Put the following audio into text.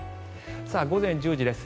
午前１０時です。